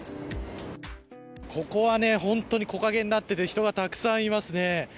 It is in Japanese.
ここは木陰になっていて人がたくさんいますね。